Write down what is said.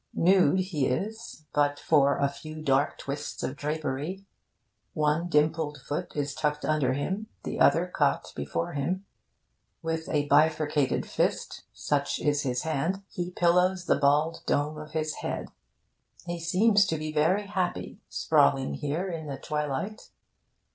Nude he is but for a few dark twists of drapery. One dimpled foot is tucked under him, the other cocked before him. With a bifurcated fist (such is his hand) he pillows the bald dome of his head. He seems to be very happy, sprawling here in the twilight.